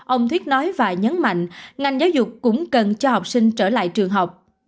ông thiết nói và nhấn mạnh ngành giáo dục cũng cần cho học sinh trở lại trường học